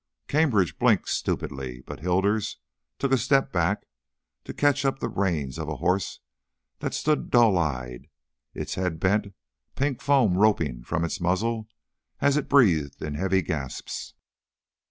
Cambridge blinked stupidly, but Hilders took a step back to catch up the reins of a horse that stood dull eyed, its head bent, pink foam roping from its muzzle as it breathed in heavy gasps.